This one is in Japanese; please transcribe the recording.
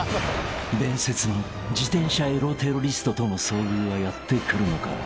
［伝説の自転車エロテロリストとの遭遇はやって来るのか？］